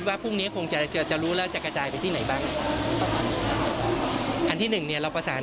หาคนตรวจทุกคนงานล้นมาก